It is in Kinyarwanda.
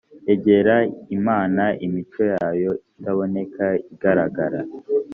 egera imana imico yayo itaboneka igaragara